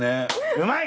うまい！